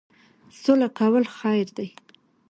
سوله کول خیر دی.